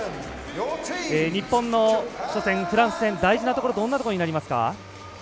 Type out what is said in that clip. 日本の初戦、フランス戦大事なところはどんなところになりますか。